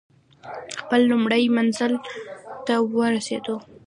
خپل لومړي منزل ته ورسېدو.